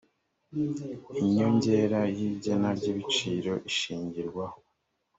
inyongera y igena ry ibiciro ishingirwaho